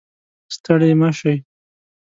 ستړي مه شئ